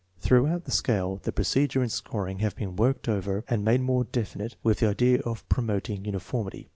\Throughout the scale the procedure and scoring have been worked over and made more definite with the idea of promoting uni formity.